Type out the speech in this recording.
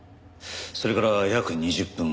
それから約２０分後。